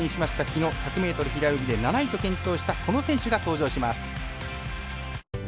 きのう１００ｍ平泳ぎで７位と健闘したこの選手が登場します。